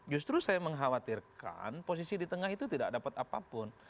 justru saya mengkhawatirkan posisi di tengah itu tidak dapat apapun